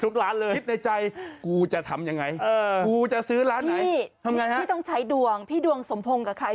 คิดในใจกูจะทำยังไงกูจะซื้อร้านไหนพี่พี่ต้องใช้ดวงพี่ดวงสมพงกับใคร